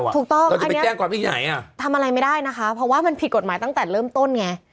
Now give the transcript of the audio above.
ถูกต้องทำอะไรไม่ได้นะคะเพราะว่ามันผิดกฎหมายตั้งแต่เริ่มต้นไง